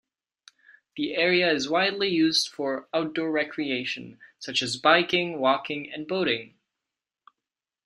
The area is widely used for outdoor recreation, such as biking, walking and boating.